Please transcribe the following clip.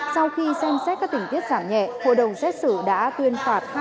sau khi xem xét các tình tiết giảm nhẹ hội đồng xét xử đã tuyên phạt